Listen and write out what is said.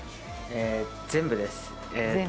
全部です。